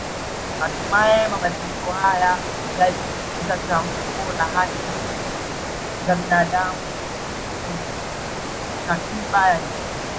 Hatimaye mabadiliko haya yaliingiza tamko la haki za binaadamu kwenye katiba ya nchi